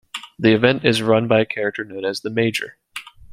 The event is run by a character known as "The Major".